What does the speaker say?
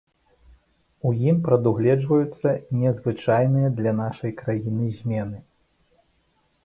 У ім прадугледжваюцца незвычайныя для нашай краіны змены.